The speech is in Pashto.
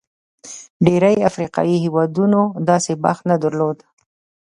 ډېری افریقايي هېوادونو داسې بخت نه درلود.